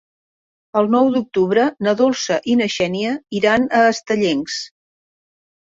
El nou d'octubre na Dolça i na Xènia iran a Estellencs.